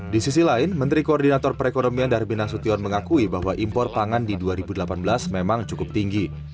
di sisi lain menteri koordinator perekonomian darbin nasution mengakui bahwa impor pangan di dua ribu delapan belas memang cukup tinggi